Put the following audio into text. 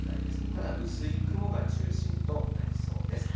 ただ、薄い雲が中心となりそうです。